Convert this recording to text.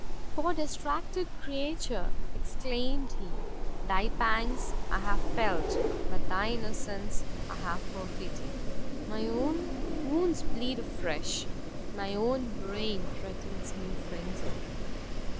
"Poor distracted creature!" exclaimed he, "thy pangs I have felt, but thy innocence I have forfeited! my own wounds bleed afresh, my own brain threatens new frenzy."